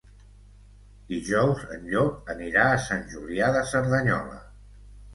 Dijous en Llop anirà a Sant Julià de Cerdanyola.